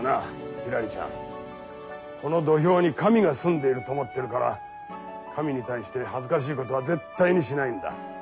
ひらりちゃんこの土俵に神が住んでいると思ってるから神に対して恥ずかしいことは絶対にしないんだ。